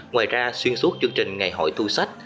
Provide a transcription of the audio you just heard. ngoài ra xuyên suốt chương trình ngày hội thu sách